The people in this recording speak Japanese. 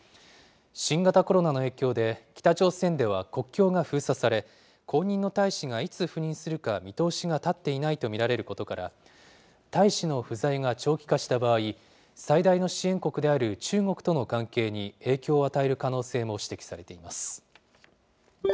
新型コロナの影響で、北朝鮮では国境が封鎖され、後任の大使がいつ赴任するか見通しが立っていないと見られることから、大使の不在が長期化した場合、最大の支援国である中国との関係に影響を与える可能性も指摘されています。